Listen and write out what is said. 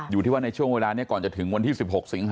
อยู่ที่ว่าในช่วงเวลานี้ก่อนจะถึงวันที่๑๖สิงหา